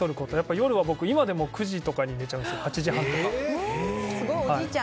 夜は今でも９時とかに寝ちゃうんですけど、８時半とか。